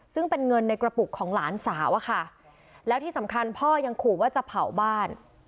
ซึ่งเป็นเงินในกระปุกของหลานสาวอะค่ะแล้วที่สำคัญพ่อยังขู่ว่าจะเผาบ้าน